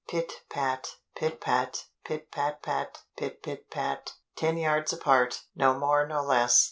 Pit pat, pit pat, pit pat pat, pit pit pat. Ten yards apart, no more no less.